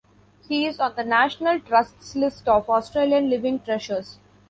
He is on the National Trust's list of Australian Living Treasures.